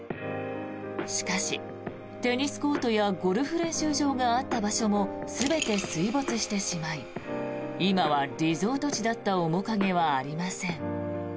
しかし、テニスコートやゴルフ練習場があった場所も全て水没してしまい今はリゾート地だった面影はありません。